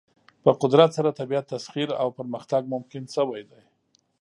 په قدرت سره طبیعت تسخیر او پرمختګ ممکن شوی دی.